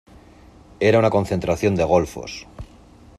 Era una concentración de golfos.